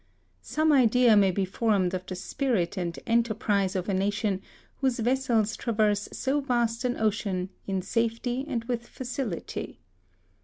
Some idea may be formed of the spirit and enterprise of a nation, whose vessels traverse so vast an ocean, in safety and with facility.